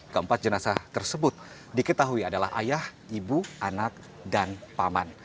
keempat jenazah tersebut diketahui adalah ayah ibu anak dan paman